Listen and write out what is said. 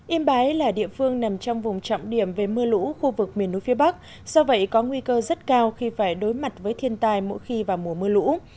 yên bái là địa phương nằm trong vùng trọng điểm về mưa lũ khu vực miền núi phía bắc do vậy có nguy cơ rất cao khi phải đối mặt với thiên tai mỗi khi vào mùa mưa lũ